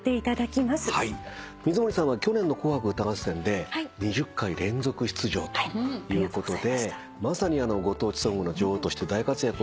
水森さんは去年の『紅白歌合戦』で２０回連続出場ということでまさにご当地ソングの女王として大活躍をしてらっしゃいます。